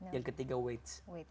yang ketiga wait